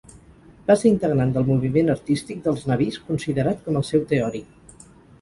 Va ser integrant del moviment artístic dels nabís, considerat com el seu teòric.